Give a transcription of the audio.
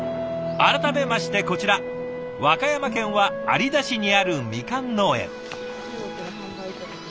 改めましてこちら和歌山県は有田市にあるみかん農園。